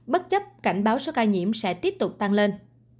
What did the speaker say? bất chấp cảnh báo số ca nhiễm sẽ tiếp tục tăng lên